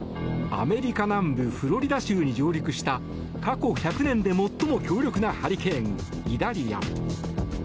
アメリカ南部フロリダ州に上陸した過去１００年で最も強力なハリケーン、イダリア。